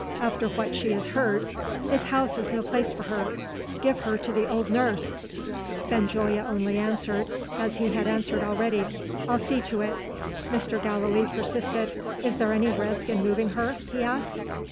"After what she has heard, this house is no place for her. Give her to the old nurse!" Benjulia only answered, as he had answered already "I'll see to it." Mr. Gallilee persisted. "Is there any risk in moving her?" he asked.